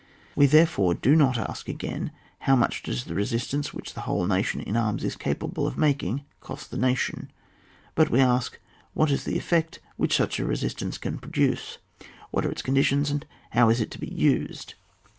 We therefore do not ask again : how much does the resistance which the whole nation in arras is capable of making, cost that nation ? but we ask : what is the effect which such a resistance can pro duce ? What are its conditions, and how is it to be used